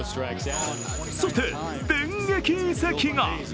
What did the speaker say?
そして電撃移籍が。